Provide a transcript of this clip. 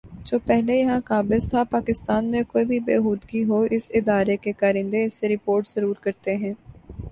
جو پہلے یہاں قابض تھا پاکستان میں کوئی بھی بے ہودگی ہو اس ادارے کے کارندے اسے رپورٹ ضرور کرتے ہیں